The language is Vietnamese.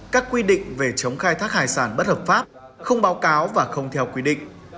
các quy định về chống khai thác hải sản bất hợp pháp không báo cáo và không theo quy định